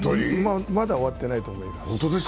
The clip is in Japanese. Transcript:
まだ終わってないと思います。